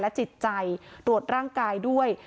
และจิตใจรวดร่างกายด้วย